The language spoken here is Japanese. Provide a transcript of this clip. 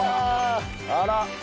あら。